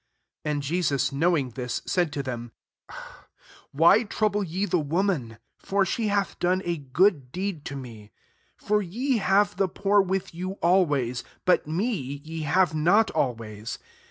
10 And Jesus knowing ehisy said to them, " Why trouble ye the woman ? for she hath done a good deed to me. 11 For ye have the poor with you always ; but me ye have not always.